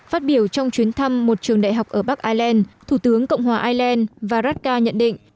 phát biểu trong chuyến thăm một trường đại học ở bắc ireland thủ tướng cộng hòa ireland varadkar nhận định